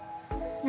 何？